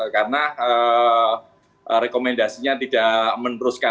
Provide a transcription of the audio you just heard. karena rekomendasinya tidak meneruskan